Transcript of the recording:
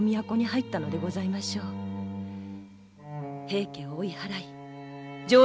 平家を追い払い上洛